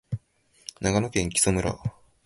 長野県木祖村